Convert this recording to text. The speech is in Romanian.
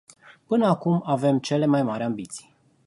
Până acum avem cele mai mari ambiții.